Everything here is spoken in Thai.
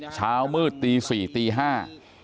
เช้ามืดตีสี่ตีห้า